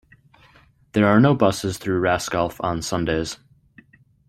There are no buses through Raskelf on Sundays.